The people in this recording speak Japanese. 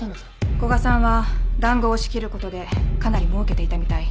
古賀さんは談合を仕切ることでかなりもうけていたみたい。